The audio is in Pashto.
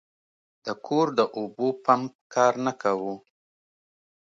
د کور د اوبو پمپ کار نه کاوه.